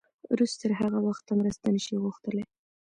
روس تر هغه وخته مرسته نه شي غوښتلی.